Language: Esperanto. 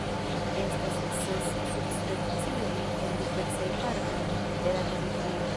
Estas ses subspecioj en diversaj partoj de la teritorio.